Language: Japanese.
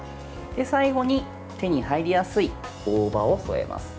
最後に手に入りやすい大葉を添えます。